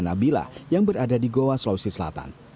nabilah yang berada di goa sulawesi selatan